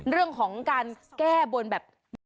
เรื่องของการแก้บนแบบ